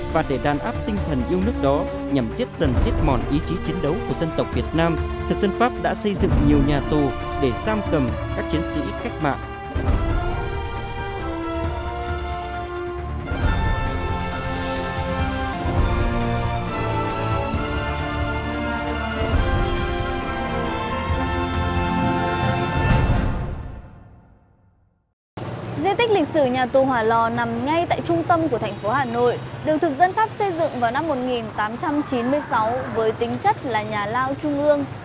và để đàn áp tinh thần yêu nước đó nhằm giết dần giết mòn ý chí chiến đấu của dân tộc việt nam thực dân pháp đã xây dựng nhiều nhà tù để giam cầm các chiến sĩ cách mạng